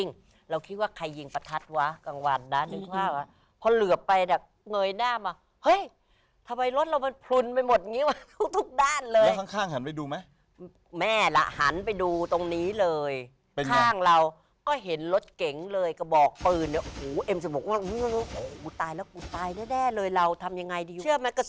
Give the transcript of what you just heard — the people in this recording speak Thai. น่าน่าคิดว่าแม่รอดหมายถึงยังไง